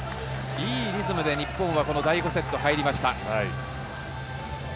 いいリズムで日本は第５セットに入りました。